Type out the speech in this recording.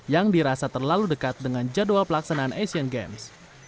yang dirasa terlalu dekat dengan jadwal pelaksanaan asian games